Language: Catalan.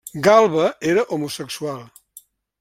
Galba era homosexual.